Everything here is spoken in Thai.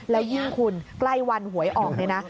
แล้วยิ่งคุณใกล้วันหวยออกเนี่ยนะ